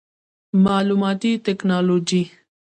معلوماتي ټکنالوجي